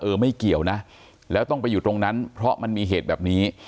ไม่เกี่ยวนะแล้วต้องไปอยู่ตรงนั้นเพราะมันมีเหตุแบบนี้